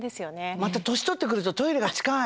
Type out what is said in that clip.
また年とってくるとトイレが近い。